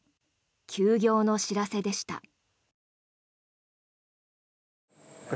休業の知らせでした。